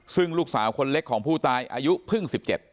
ซึ่งลูกสาวคนเล็กของผู้ตายอายุเพิ่ง๑๗